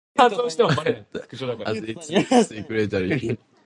Pitot as its Secretary.